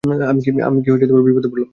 আমি কি বিপদে পড়লাম?